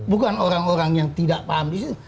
bukan orang orang yang tidak paham islam